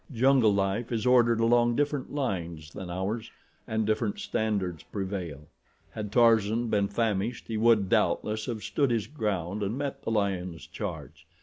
Jungle life is ordered along different lines than ours and different standards prevail. Had Tarzan been famished he would, doubtless, have stood his ground and met the lion's charge.